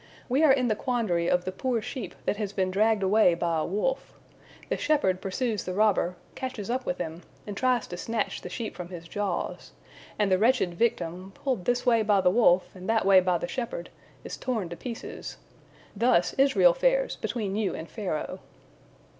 We are in the quandary of the poor sheep that has been dragged away by a wolf. The shepherd pursues the robber, catches up with him, and tries to snatch the sheep from his jaws, and the wretched victim, pulled this way by the wolf and that way by the shepherd, is torn to pieces. Thus Israel fares between you and Pharaoh."